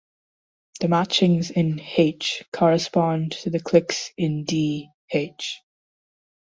The matchings in "H" correspond to the cliques in D("H").